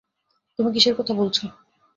তুমি কিসের কথা বলছো?